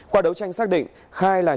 qua đấu tranh xác định khai là